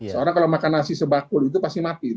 seorang kalau makan nasi sebakul itu pasti mati